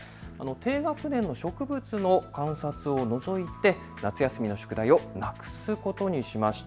低学年の植物の観察を除いて夏休みの宿題をなくすことにしました。